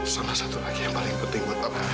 sama satu lagi yang paling penting buat aku